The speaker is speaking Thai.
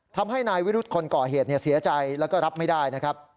ทำให้นายวิรุธคนก่อเหตุเสียใจแล้วก็รับไม่ได้นะครับ